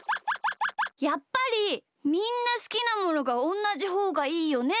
やっぱりみんなすきなものがおんなじほうがいいよね。